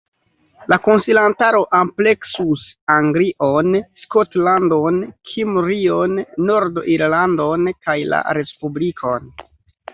La konsilantaro ampleksus Anglion, Skotlandon, Kimrion, Nord-Irlandon kaj la Respublikon.